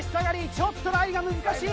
ちょっとライが難しい！